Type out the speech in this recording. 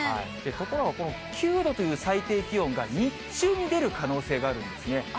ところがこの９度という最低気温が日中に出る可能性があるんですね。